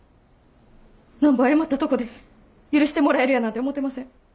なんぼ謝ったとこで許してもらえるやなんて思てません。